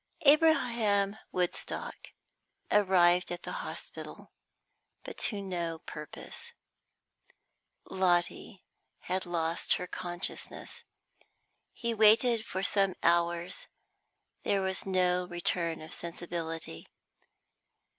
Abraham Woodstock arrived at the hospital, but to no purpose. Lotty had lost her consciousness. He waited for some hours; there was no return of sensibility.